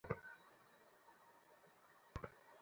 নেহেরু জী আসলে আমি, বিচার দিবো আপনার।